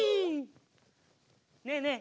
ねえねえ